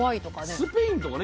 スペインとかね